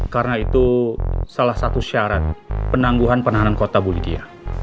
karena itu salah satu syarat penangguhan penahanan kota bulidia